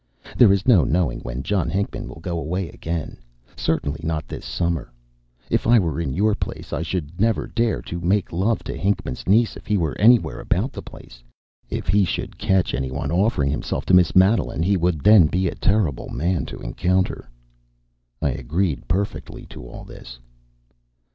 There is no knowing when John Hinckman will go away again; certainly not this summer. If I were in your place, I should never dare to make love to Hinckman's niece if he were anywhere about the place. If he should catch anyone offering himself to Miss Madeline, he would then be a terrible man to encounter." I agreed perfectly to all this.